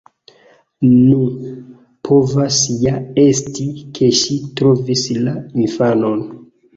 Nu, povas ja esti, ke ŝi trovis la infanon.